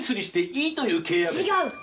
違う！